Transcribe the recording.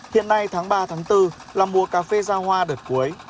hiện nay tháng ba bốn là mùa cà phê ra hoa đợt cuối